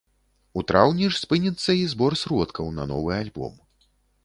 У траўні ж спыніцца і збор сродкаў на новы альбом.